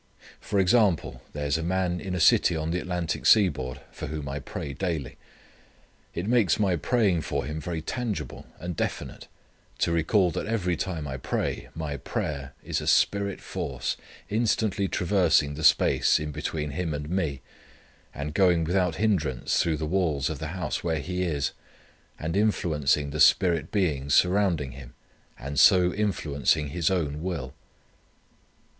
For example there is a man in a city on the Atlantic seaboard for whom I pray daily. It makes my praying for him very tangible and definite to recall that every time I pray my prayer is a spirit force instantly traversing the space in between him and me, and going without hindrance through the walls of the house where he is, and influencing the spirit beings surrounding him, and so influencing his own will.